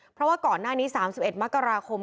เพราะว่าก่อนหน้านี้๓๑มกราคม